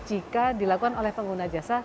jika dilakukan oleh pengguna jasa